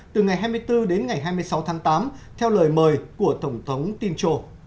từ ngày hai mươi bốn đến ngày hai mươi sáu tháng tám theo lời mời của tổng thống tinchcho